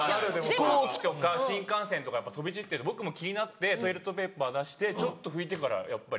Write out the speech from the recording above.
飛行機とか新幹線とか飛び散ってると僕も気になってトイレットペーパー出してちょっと拭いてからやっぱり。